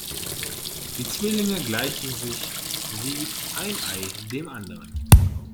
Die Zwillinge gleichen sich wie ein Ei dem anderen.